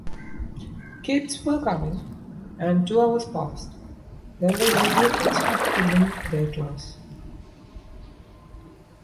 kids were coming, and two hours passed, then they immediately started cleaning their class.